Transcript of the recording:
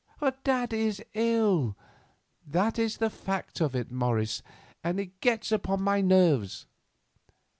Dad is ill, that is the fact of it, Morris, and it gets upon my nerves."